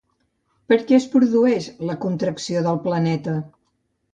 Per què es produeix la contracció del planeta?